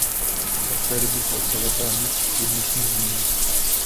Od té doby se oprava táhne do dnešních dnů.